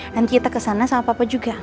kita kesana sama papa juga